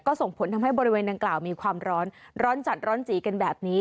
ส่งผลทำให้บริเวณดังกล่าวมีความร้อนร้อนจัดร้อนจีกันแบบนี้